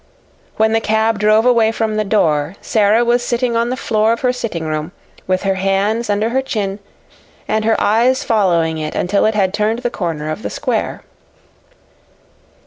When the cab drove away from the door, Sara was sitting on the floor of her sitting room, with her hands under her chin and her eyes following it until it had turned the corner of the square.